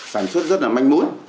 sản xuất rất là manh mũi